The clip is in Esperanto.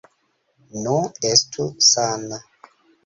Nu, estu sana.